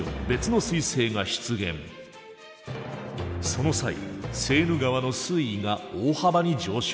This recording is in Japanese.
その際セーヌ川の水位が大幅に上昇。